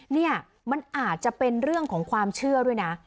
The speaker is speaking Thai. เนี่ยมันอาจจะเป็นเรื่องของความเชื่อด้วยนะ